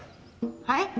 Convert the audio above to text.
はい？